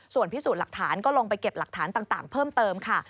ส่วนพิสูจน์หลักฐานก็ลงไปเก็บหลักฐานต่างเพิ่มเติมค่ะ